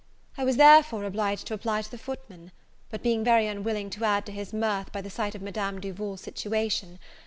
I was, therefore, obliged to apply to the footman; but, being very unwilling to add to his mirth by the sight of Madame Duval's situation.